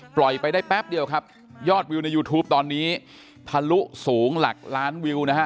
ปล่อยไปได้แป๊บเดียวครับยอดวิวในยูทูปตอนนี้ทะลุสูงหลักล้านวิวนะฮะ